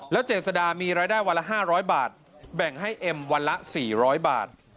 เจษดามีรายได้วันละ๕๐๐บาทแบ่งให้เอ็มวันละ๔๐๐บาท